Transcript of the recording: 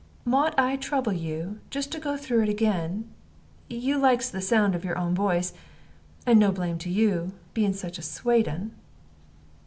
Mought I trouble you just to go through it again? You likes the sound of your own voice; and no blame to you, being such a swate un."